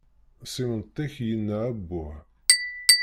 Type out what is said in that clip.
S imeṭṭi-ik yenna abbuh.